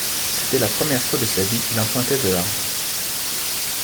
C’était la première fois de sa vie qu’il empruntait de l’argent.